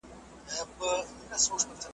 رنګ په رنګ پکښي بویونه د ګلونو .